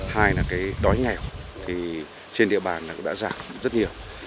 hai là cái đói nghèo thì trên địa bàn cũng đã giảm rất nhiều